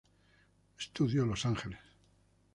Studios, Los Ángeles.